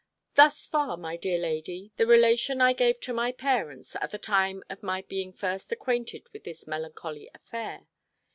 ] Thus far, my dear lady, the relation I gave to my parents, at the time of my being first acquainted with this melancholy affair.